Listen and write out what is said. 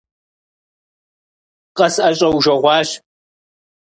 – КъысӀэщӀэужэгъуащ…